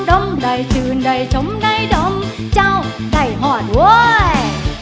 ดมได้ชื่นได้ชมได้ดมเจ้าได้หอดด้วย